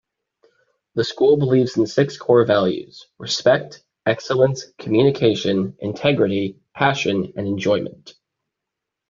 The school believes in six core values: respect, excellence, communication, integrity, passion and enjoyment.